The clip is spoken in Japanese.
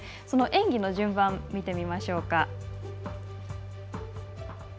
その演技の順番を見てみましょう。